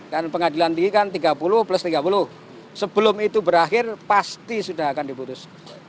dan pengadilan tinggi kan tiga puluh plus tiga puluh sebelum itu berakhir pasti sudah akan diputus